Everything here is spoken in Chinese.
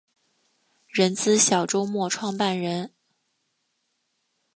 人资小周末创办人